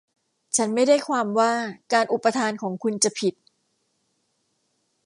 ฉันไม่ได้ความว่าการอุปทานของคุณจะผิด